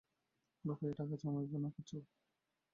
লুকাইয়া টাকা জমাইবে না কচু!